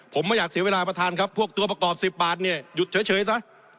ผมไม่อยากเสียเวลาประธานครับพวกตัวประกอบ๑๐บาทเนี่ยหยุดเฉยซะ